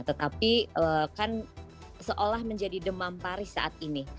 tetapi kan seolah menjadi demam paris saat ini